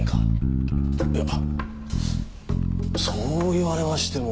いやそう言われましても。